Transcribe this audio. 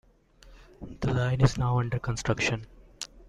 The line is now under construction.